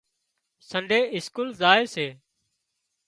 سنڊي اسڪول زائي سي